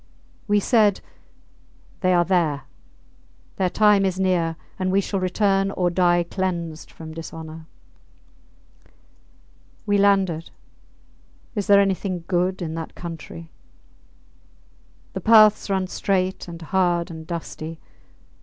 We said, They are there; their time is near, and we shall return or die cleansed from dishonour. We landed. Is there anything good in that country? The paths run straight and hard and dusty.